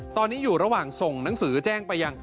ตอนนี้อยู่ระหว่างส่งหนังสือแจ้งไปยัง